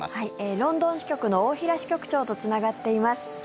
ロンドン支局の大平支局長とつながっています。